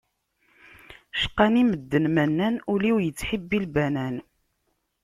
Cqan-i medden ma nnan, ul-iw yettḥibbi lbanan.